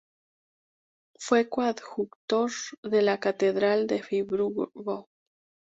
Fue coadjutor de la catedral de Friburgo.